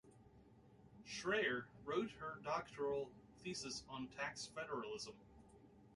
Schreyer wrote her doctoral thesis on tax federalism.